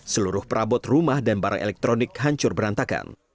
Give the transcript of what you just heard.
seluruh perabot rumah dan barang elektronik hancur berantakan